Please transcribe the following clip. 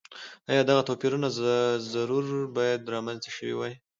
ایا دغه توپیرونه ضرور باید رامنځته شوي وای.